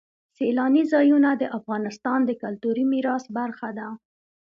سیلاني ځایونه د افغانستان د کلتوري میراث برخه ده.